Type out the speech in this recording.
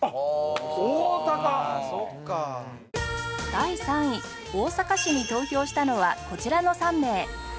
第３位大阪市に投票したのはこちらの３名